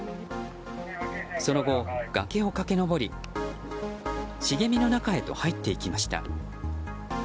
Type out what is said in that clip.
その後、崖を駆け上り茂みの中へと入っていきました。